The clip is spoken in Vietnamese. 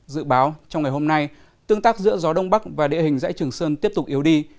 dự báo trong ngày hôm nay tương tác giữa gió đông bắc và địa hình dãy trường sơn tiếp tục yếu đi